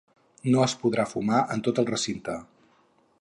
No es podrà fumar en tot el recinte.